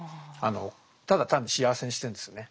ただ単に幸せにしてるんですよね